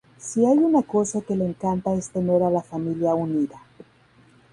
Si hay una cosa que le encanta es tener a la familia unida.